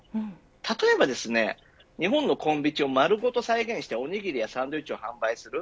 例えば日本のコンビニを丸ごと再現しておにぎりやサンドイッチを販売する。